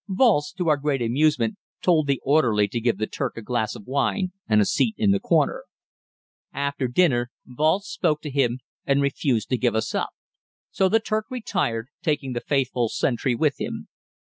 Walz, to our great amusement, told the orderly to give the Turk a glass of wine and a seat in the corner. After dinner Walz spoke to him and refused to give us up; so the Turk retired, taking the faithful sentry with him.